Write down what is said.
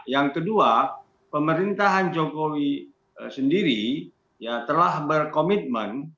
yang kedua pemerintahan jokowi sendiri telah berkomitmen